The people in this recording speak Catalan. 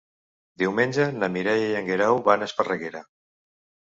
Diumenge na Mireia i en Guerau van a Esparreguera.